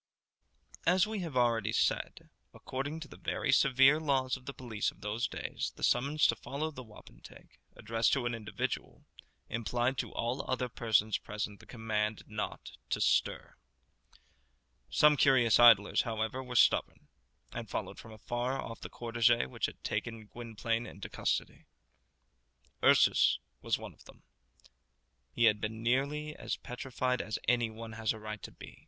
As we have already said, according to the very severe laws of the police of those days, the summons to follow the wapentake, addressed to an individual, implied to all other persons present the command not to stir. Some curious idlers, however, were stubborn, and followed from afar off the cortège which had taken Gwynplaine into custody. Ursus was of them. He had been as nearly petrified as any one has a right to be.